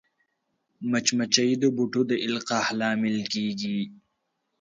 مچمچۍ د بوټو د القاح لامل کېږي